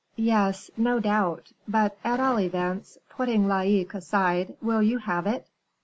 "Yes, no doubt; but, at all events, putting Laicques aside, will you have it?"